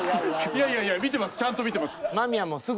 いやいや見てます。